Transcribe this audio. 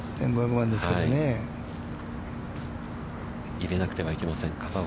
入れなくてはいけません、片岡。